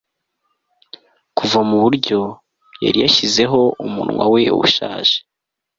Kuva muburyo yari yashyizeho umunwa we ushaje